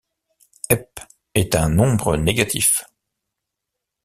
Ep est un nombre négatif.